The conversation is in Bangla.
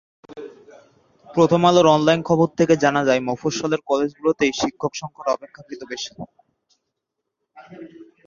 প্রথম আলোর অনলাইন খবর থেকে জানা যায়, মফস্বলের কলেজগুলোতেই শিক্ষক–সংকট অপেক্ষাকৃত বেশি।